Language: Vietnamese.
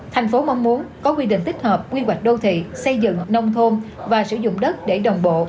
thành phố mong muốn có quy định tích hợp quy hoạch đô thị xây dựng nông thôn và sử dụng đất để đồng bộ